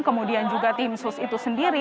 kemudian juga timsus itu sendiri